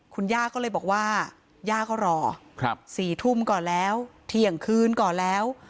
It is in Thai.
คุณย่าก็เลยบอกว่าย่าก็รอ๔ทุ่มก่อนแล้วเที่ยงคืนก่อนแล้ว